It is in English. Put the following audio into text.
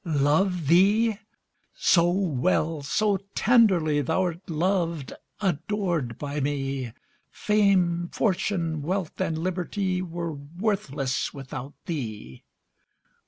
Love thee? so well, so tenderly Thou'rt loved, adored by me, Fame, fortune, wealth, and liberty, Were worthless without thee.